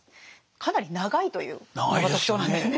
かなり長いというのが特徴なんですね。